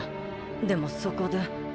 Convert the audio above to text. でもそこで。